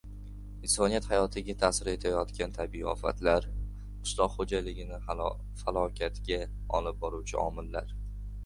Insoniyat hayotiga ta’sir etayotgan tabiiy ofatlar, qishloq xo‘jaligini falokatga olib boruvchi omillar...